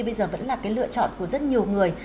bây giờ vẫn là cái lựa chọn của rất nhiều người